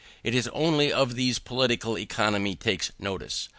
It is only of these that Political Economy takes notice.